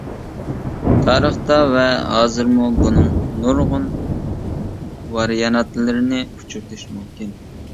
تارىختا ۋە ھازىرمۇ بۇنىڭ نۇرغۇن ۋارىيانتلىرىنى ئۇچرىتىش مۇمكىن.